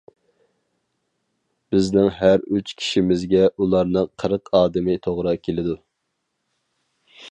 بىزنىڭ ھەر ئۈچ كىشىمىزگە ئۇلارنىڭ قىرىق ئادىمى توغرا كېلىدۇ.